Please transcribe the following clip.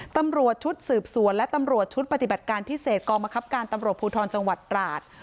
ตำรวจชุดสืบสวนและตำรวจชุดปฏิบัติการพิเศษกองบังคับการตำรวจภูทรจังหวัดตราด